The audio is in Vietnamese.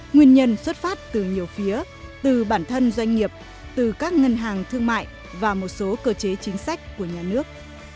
nguyên nhân xuất phát từ nhiều phía từ bản thân doanh nghiệp từ các ngân hàng thương mại và một số cơ chế chính sách của nhà nước